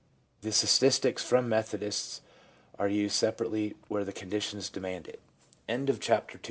The statistics from Methodists are used separately where the conditions demand it